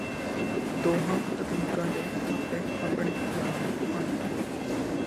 ਦੋਹਾਂ ਤਕਨੀਕਾਂ ਦੇ ਆਪੋ ਆਪਣੇ ਲਾਭ ਹਨ